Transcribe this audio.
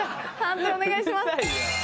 判定お願いします。